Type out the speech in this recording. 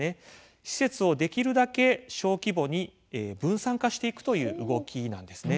施設をできるだけ小規模に分散化していくという動きなんですね。